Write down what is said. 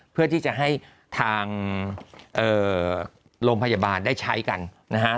เพื่อที่จะให้ทางโรงพยาบาลได้ใช้กันนะฮะ